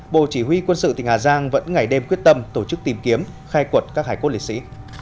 bộ chỉ huy quân sự tỉnh hà giang vẫn ngày đêm quyết tâm tổ chức tìm kiếm khai quật các hải cốt liệt sĩ